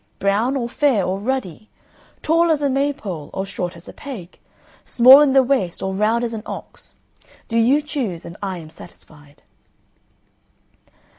brown or fair or ruddy? tall as a maypole or short as a peg? small in the waist or round as an ox? Do you choose, and I am satisfied."